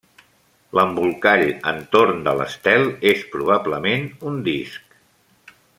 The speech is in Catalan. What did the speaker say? L'embolcall entorn de l'estel és probablement un disc.